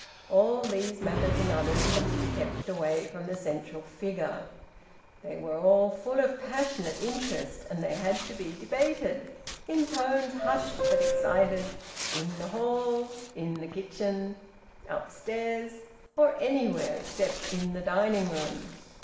All these matters, and others, had to be kept away from the central figure; they were all full of passionate interest, and they had to be debated, in tones hushed but excited, in the hall, in the kitchen, upstairs, or anywhere except in the dining room.